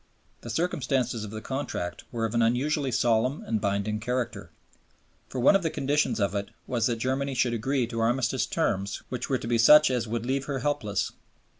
The circumstances of the Contract were of an unusually solemn and binding character; for one of the conditions of it was that Germany should agree to Armistice Terms which were to be such as would leave her helpless.